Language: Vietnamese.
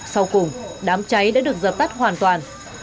sau cùng đám cháy đã được dập tắt hoàn toàn